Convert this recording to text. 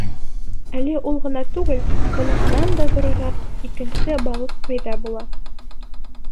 Әле ул ғына түгел, быныһынан да ҙурыраҡ икенсе балыҡ пәйҙә була.